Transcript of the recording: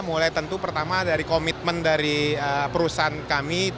mulai tentu pertama dari komitmen dari perusahaan kami